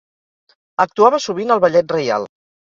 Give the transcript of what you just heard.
Actuava sovint al ballet reial.